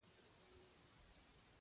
تر ډېره یې نه شئ پټولای دا حقیقت دی.